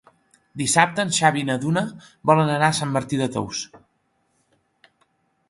Dissabte en Xavi i na Duna volen anar a Sant Martí de Tous.